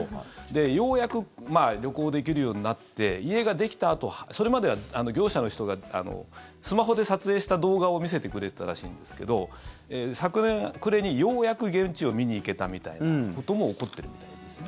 ようやく旅行できるようになって家ができたあとそれまでは、業者の人がスマホで撮影した動画を見せてくれてたらしいんですけど昨年暮れにようやく現地を見に行けたみたいなことも起こってるみたいですね。